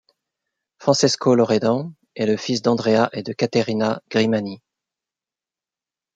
Francesco Loredan est le fils d'Andrea et de Caterina Grimani.